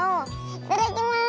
いただきます！